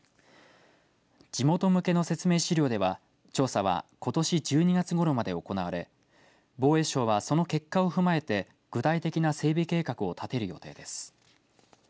地元向けの説明資料では調査はことし１２月ごろまで行われ防衛省はその結果を踏まえて具体的な整備計画を立てる予定です。